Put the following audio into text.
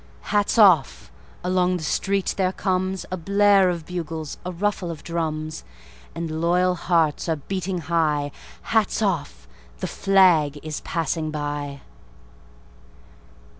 Hats off! Along the street there comesA blare of bugles, a ruffle of drums; And loyal hearts are beating high:Hats off! The flag is passing by!